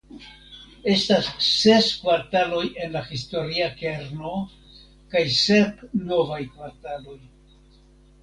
Estas ses kvartaloj en la historia kerno kaj sep novaj kvartaloj.